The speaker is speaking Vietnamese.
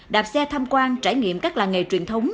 đạp xe tham quan trải nghiệm các làng nghề truyền thống